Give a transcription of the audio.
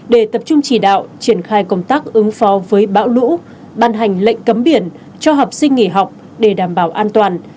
để tập trung chỉ đạo triển khai công tác ứng phó với bão lũ ban hành lệnh cấm biển cho học sinh nghỉ học để đảm bảo an toàn